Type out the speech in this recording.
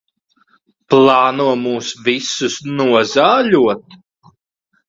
Plāno mūs visus nozāļot?